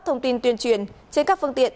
thông tin tuyên truyền trên các phương tiện